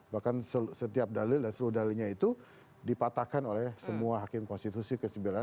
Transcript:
bahkan setiap dalil dan seluruh dalilnya itu dipatahkan oleh semua hakim konstitusi kesibiran